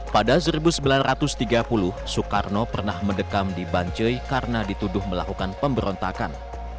pada seribu sembilan ratus tiga puluh soekarno pernah mendekam di banjoi karena dituduh melakukan pemberontakan